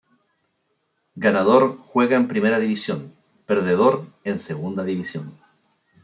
Ganador juega en Primera División, Perdedor en Segunda División.